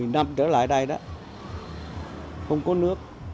một mươi năm trở lại đây không có nước